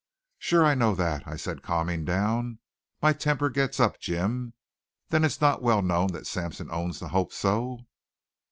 "Sure, I know that," I said, calming down. "My temper gets up, Jim. Then it's not well known that Sampson owns the Hope So?"